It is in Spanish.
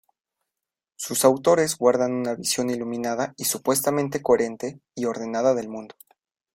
Sus autores guardan una visión iluminada y supuestamente coherente y ordenada del mundo.